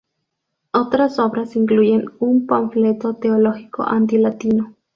Otras obras incluyen un panfleto teológico anti-latino.